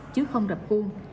chứ không rập cuông